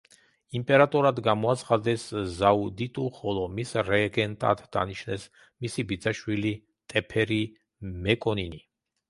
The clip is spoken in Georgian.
იმპერატორად გამოაცხადეს ზაუდიტუ, ხოლო მის რეგენტად დანიშნეს მისი ბიძაშვილი ტეფერი მეკონინი.